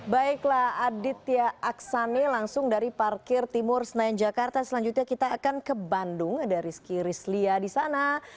baiklah aditya aksane langsung dari parkir timur senayan jakarta selanjutnya kita akan ke bandung ada rizky rizlia di sana